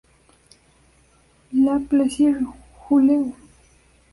Le Plessier-Huleu